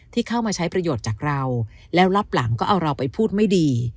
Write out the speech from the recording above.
ที่เข้ามาใช้ประโยชน์จากเราแล้วรับหลังก็เอาเราไปพูดไม่ดี